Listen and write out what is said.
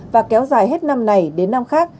và kéo dài hết năm này đến năm khác